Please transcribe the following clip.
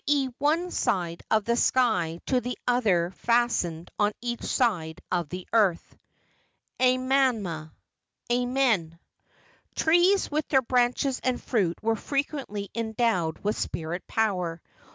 e., one side of the sky to the other fastened on each side of the earth]. Amama [Amen]." Trees with their branches and fruit were frequently en¬ dowed with spirit power.